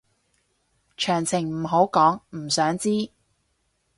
詳情唔好講，唔想知